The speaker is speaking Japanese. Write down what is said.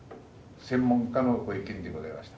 専門家のご意見でございました。